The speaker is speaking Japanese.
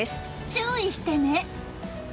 注意してね！